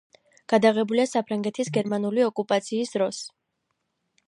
გადაღებულია საფრანგეთის გერმანული ოკუპაციის დროს.